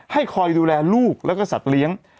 ให้คอยดูแลลูกแล้วก็สัตว์เลี้ยง